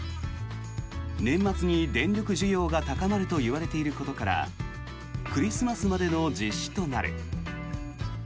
年末に電力需要が高まるといわれていることからクリスマスまでの実施となる。